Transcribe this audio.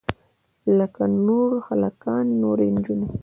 لکه نور هلکان نورې نجونې.